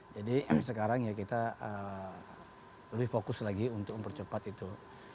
jadi sekarang ya kita lebih fokus lagi untuk mempercepat itu